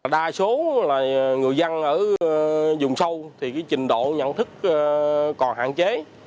đa số là người dân ở dùng sâu thì cái trình độ nhận thức còn hạn chế